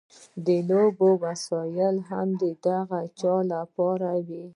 د لوبو وسایل هم د هغه چا لپاره وي.